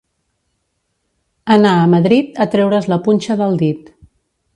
Anar a Madrid a treure's la punxa del dit.